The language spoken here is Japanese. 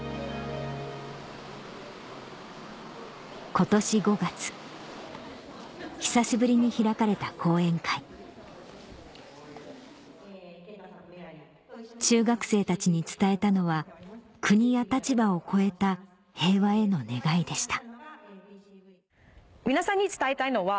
今年５月久しぶりに開かれた講演会中学生たちに伝えたのは国や立場を超えた平和への願いでした